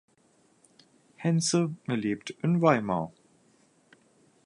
Henze lebt in Weimar.